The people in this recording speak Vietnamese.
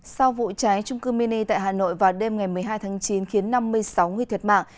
sau vụ cháy trung cư mini tại hà nội vào đêm ngày một mươi hai tháng chín khiến năm mươi sáu người thiệt mạng